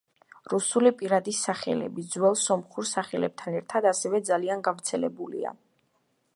რუსული პირადი სახელები, ძველ სომხურ სახელებთან ერთად, ასევე ძალიან გავრცელებულია.